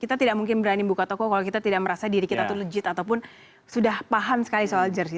kita tidak mungkin berani buka toko kalau kita tidak merasa diri kita itu legit ataupun sudah paham sekali soal jersi